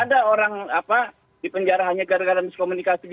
tidak ada orang apa dipenjara hanya gara gara miskomunikasi di media